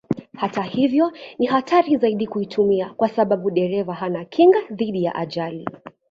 Hata hivyo ni hatari zaidi kuitumia kwa sababu dereva hana kinga dhidi ya ajali.